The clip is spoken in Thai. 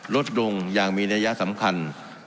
ลดลงอย่างมีนัยสำคัญ